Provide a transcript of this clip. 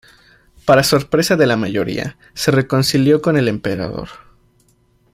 Para sorpresa de la mayoría, se reconcilió con el emperador.